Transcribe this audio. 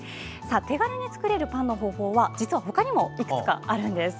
手軽に作れるパンの方法は実は他にもいくつかあるんです。